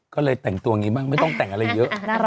ก็เลยแต่งตัวอย่างนี้บ้างไม่ต้องแต่งอะไรเยอะ